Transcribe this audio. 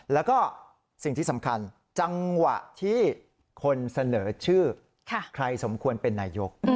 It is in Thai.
แล้วก็สิ่งที่สำคัญจังหวะที่คนเสนอชื่อใครสมควรเป็นนายก